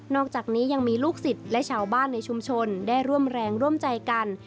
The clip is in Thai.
อกจากนี้ยังมีลูกศิษย์และชาวบ้านในชุมชนได้ร่วมแรงร่วมใจกัน